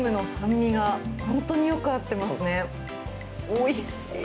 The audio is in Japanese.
おいしい！